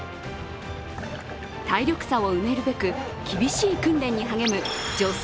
体力差を埋めるべく厳しい訓練に励む女性